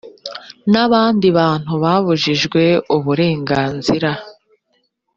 n abandi bantu babujijwe uburenganzira